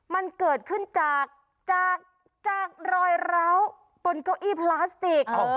มันเกิดขึ้นจากจากรอยร้าวบนเก้าอี้พลาสติก